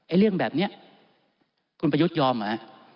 เรื่องแบบนี้คุณประยุทธ์ยอมเหรอ